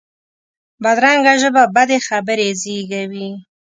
بدرنګه ژبه بدې خبرې زېږوي